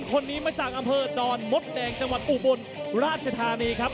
คนนี้มาจากอำเภอดอนมดแดงจังหวัดอุบลราชธานีครับ